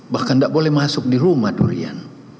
bahkan tidak boleh masuk di rumah durian